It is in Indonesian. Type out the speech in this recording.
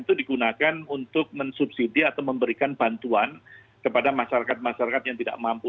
itu digunakan untuk mensubsidi atau memberikan bantuan kepada masyarakat masyarakat yang tidak mampu